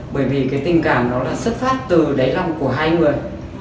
bởi vì cái tình cảm nó là xuất phát từ đáy lòng của hai người